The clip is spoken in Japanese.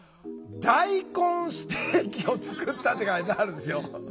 「大根ステーキを作った」って書いてあるんですよ。